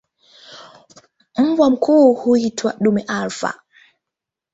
Mbwa mkuu huitwa "dume alfa".